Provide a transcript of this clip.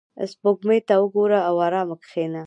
• سپوږمۍ ته وګوره او آرامه کښېنه.